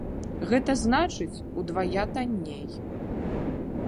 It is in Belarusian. Гэта значыць, удвая танней.